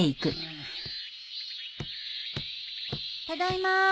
ただいま。